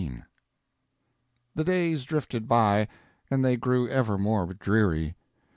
The days drifted by, and they grew ever more dreary.